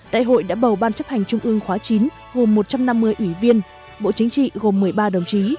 đại hội đã bầu ban chấp hành trung ương khóa chín gồm một trăm năm mươi ủy viên bộ chính trị gồm một mươi ba đồng chí